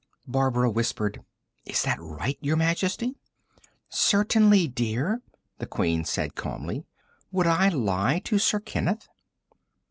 Barbara whispered: "Is that right, Your Majesty?" "Certainly, dear," the Queen said calmly. "Would I lie to Sir Kenneth?"